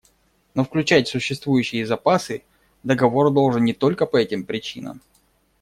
Но включать существующие запасы договор должен не только по этим причинам.